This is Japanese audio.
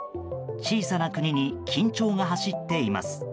小さな国に緊張が走っています。